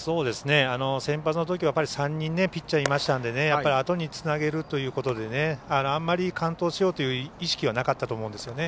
センバツのときは３人ピッチャーいたのであとにつなげるということであんまり完投しようという意識はなかったと思うんですね。